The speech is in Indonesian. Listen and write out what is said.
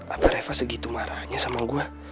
apa reva segitu marahnya sama gua